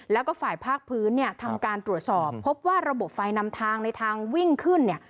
แล้วก็ฝ่ายภาคพื้นเนี่ยทำการตรวจสอบพบว่าระบบไฟนำทางในทางวิ่งขึ้นเนี่ย